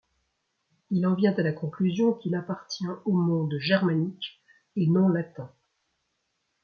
Il en vient à la conclusion qu'il appartient au monde germanique et non latin.